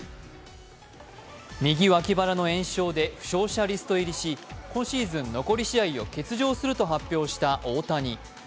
右脇腹の炎症で負傷者リスト入りし今シーズン残り試合を欠場すると発表した大谷。